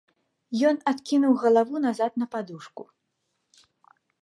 Ён адкінуў галаву назад на падушку.